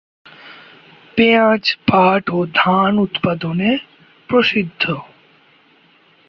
পেয়াজ, পাট ও ধান উৎপাদনে প্রসিদ্ধ।